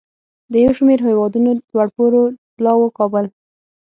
د یو شمیر هیوادونو لوړپوړو پلاوو کابل